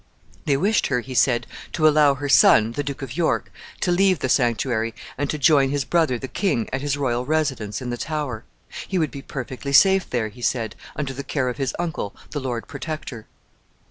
They wished her, he said, to allow her son, the Duke of York, to leave the sanctuary, and to join his brother the king at his royal residence in the Tower. He would be perfectly safe there, he said, under the care of his uncle, the Lord Protector.